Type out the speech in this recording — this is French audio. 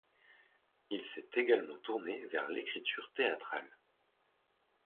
Il s'est également tourné vers l'écriture théâtrale.